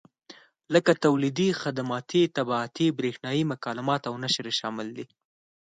لکه تولیدي، خدماتي، طباعتي، برېښنایي مکالمات او نشر یې شامل دي.